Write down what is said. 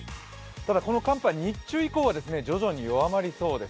ただこの寒波、日中以降は徐々に弱まりそうです。